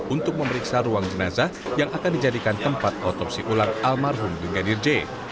untuk memeriksa ruang jenazah yang akan dijadikan tempat otopsi ulang almarhum brigadir j